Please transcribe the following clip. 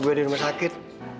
gue di rumah sakit